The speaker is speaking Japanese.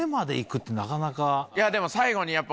いやでも最後に。